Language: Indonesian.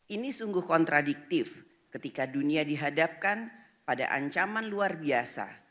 ini sungguh kontradiktif ketika dunia dihadapkan pada ancaman luar biasa